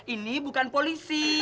ini bukan polisi